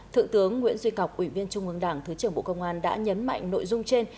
thượng tướng nguyễn duy ngọc ủy viên trung ương đảng thứ trưởng bộ công an đã nhấn mạnh nội dung trên